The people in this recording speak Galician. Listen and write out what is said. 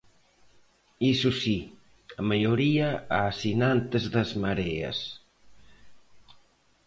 Iso si, a maioría a asinantes das Mareas.